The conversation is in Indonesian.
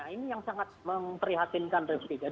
ini yang sangat memperhatinkan